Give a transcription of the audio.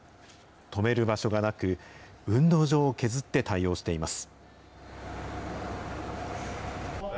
止める場所がなく、運動場を削って対応しています。